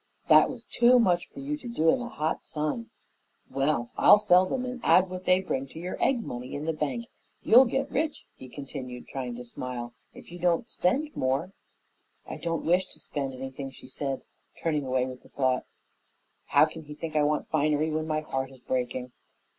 "That was too much for you to do in the hot sun. Well, I'll sell 'em and add what they bring to your egg money in the bank. You'll get rich," he continued, trying to smile, "if you don't spend more." "I don't wish to spend anything," she said, turning away with the thought, "How can he think I want finery when my heart is breaking?"